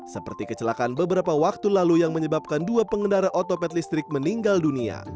seperti kecelakaan beberapa waktu lalu yang menyebabkan dua pengendara otopet listrik meninggal dunia